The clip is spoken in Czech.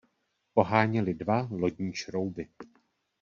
Poháněly dva lodní šrouby.